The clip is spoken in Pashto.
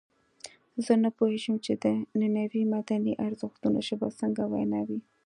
زه نه پوهېږم چې د نننیو مدني ارزښتونو ژبه څنګه وینا وي.